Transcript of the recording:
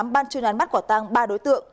ban chuyên án bắt quả tăng ba đối tượng